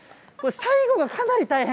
最後がかなり大変。